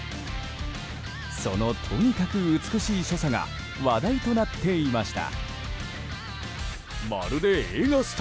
そのとにかく美しい所作が話題となっていました。